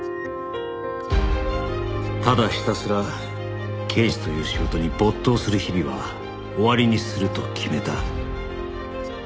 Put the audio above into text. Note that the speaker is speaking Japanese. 「ただひたすら刑事という仕事に没頭する日々は終わりにすると決めた」